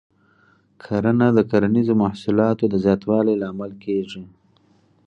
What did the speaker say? کرنه د کرنیزو محصولاتو د زیاتوالي لامل کېږي.